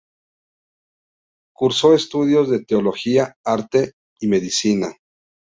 Cursó estudios de Teología, Arte y Medicina.